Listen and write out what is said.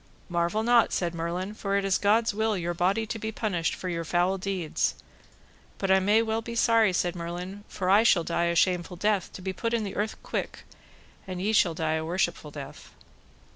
Marvel not, said Merlin, for it is God's will your body to be punished for your foul deeds; but I may well be sorry, said Merlin, for I shall die a shameful death, to be put in the earth quick, and ye shall die a worshipful death.